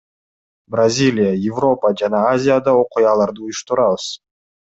Бразилия, Европа жана Азияда окуяларды уюштурабыз.